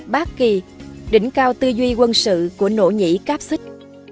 bác kỳ đỉnh cao tư duy quân sự của nỗ nhĩ cáp xích